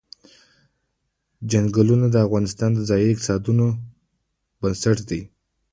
چنګلونه د افغانستان د ځایي اقتصادونو بنسټ دی.